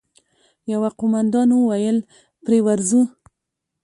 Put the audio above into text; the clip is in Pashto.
يوه قوماندان وويل: پرې ورځو!